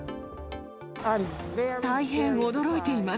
大変驚いています。